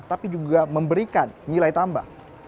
tapi juga memberikan nilai tambah